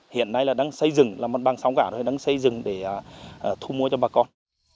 hiện nay là đang xây dựng là mặt bằng xong cả rồi đang xây dựng để thu mua cho bà con